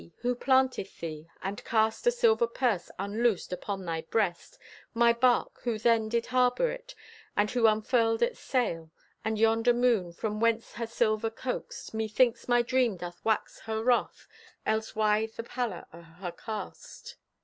who planted thee, and cast A silver purse, unloosed, upon thy breast? My barque, who then did harbor it, And who unfurled its sail? And yonder moon, from whence her silver coaxed? Methinks my dream doth wax her wroth, Else why the pallor o'er her cast?